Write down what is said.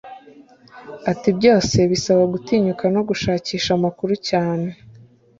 Ati “Byose bisaba gutinyuka no gushakisha amakuru cyane